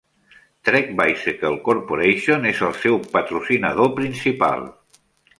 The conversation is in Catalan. Trek Bicycle Corporation és el seu patrocinador principal.